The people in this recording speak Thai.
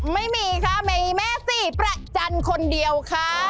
ไม่มีค่ะมีแม่สี่ประจันทร์คนเดียวค่ะ